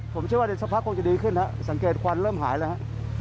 ผมเชื่อว่าเดี๋ยวสักพักคงจะดีขึ้นฮะสังเกตควันเริ่มหายแล้วฮะ